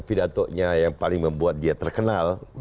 pidatonya yang paling membuat dia terkenal